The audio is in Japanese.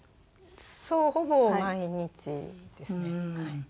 そうほぼ毎日ですねはい。